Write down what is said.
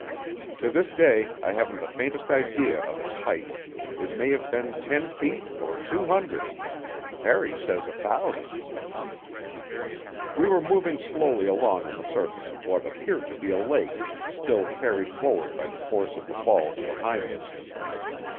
To this day I haven't the faintest idea of its height; it may have been ten feet or two hundred. Harry says a thousand. We were moving slowly along on the surface of what appeared to be a lake, still carried forward by the force of the falls behind us.